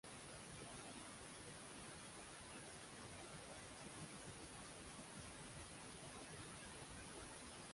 প্রাথমিক অবস্থায় Kolkata City College কাউন্সিলের আর্থিক সহযোগিতায় ময়মনসিংহ সিটি কলেজ পরিচালিত হতো।